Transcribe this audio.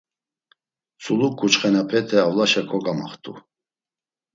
Tzulu ǩuçxenapete avlaşa kogamaxt̆u.